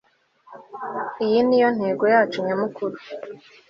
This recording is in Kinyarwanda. Iyi niyo ntego yacu nyamukuru